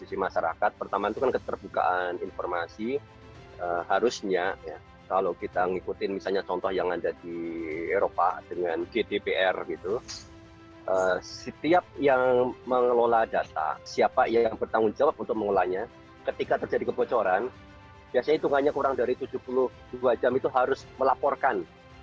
setelah terjadi kebocoran biasanya itungannya kurang dari tujuh puluh dua jam itu harus melaporkan